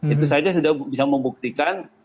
itu saja sudah bisa membuktikan